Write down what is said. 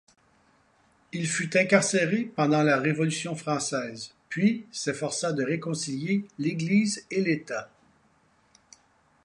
Il fut incarcéré pendant la Révolution française, puis s'efforça de réconcilier l'Église et l'État.